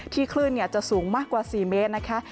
ที่คลื่นเนี่ยจะสูงมากกว่าสี่เมตรนะคะ